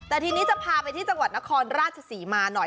แต่ทีนี้จะพาไปที่จังหวัดนครราชศรีมาหน่อย